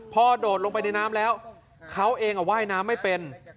พอโดดลงไปในน้ำแล้วเขาเองว่ายน้ำไม่เป็น